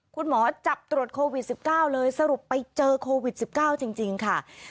คุณหมอจับตรวจโควิด๑๙เลยสรุปไปเจอโควิด๑๙จริงค่ะ